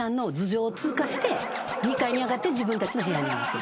２階に上がって自分たちの部屋に行く。